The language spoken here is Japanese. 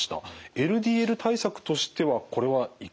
ＬＤＬ対策としてはこれはいかがですか？